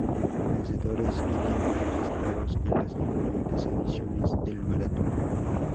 Vencedores y tiempos registrados en las diferentes ediciones del maratón.